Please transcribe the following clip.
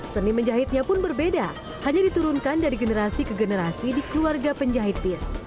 seni menjahitnya pun berbeda hanya diturunkan dari generasi ke generasi di keluarga penjahit pis